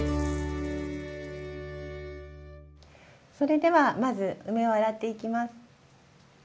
それではまず梅を洗っていきます。